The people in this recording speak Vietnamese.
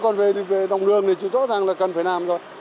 còn về đồng đường thì chữ rõ ràng là cần phải làm rồi